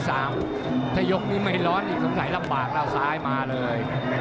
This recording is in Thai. ถ้ายกนี้ไม่ร้อนนี่สงสัยลำบากแล้วซ้ายมาเลย